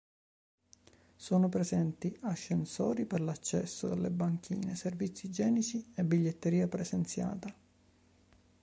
Sono presenti ascensori per l'accesso alle banchine, servizi igienici e biglietteria presenziata.